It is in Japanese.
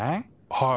はい。